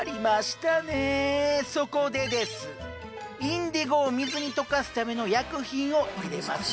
インディゴを水に溶かすための薬品を入れます。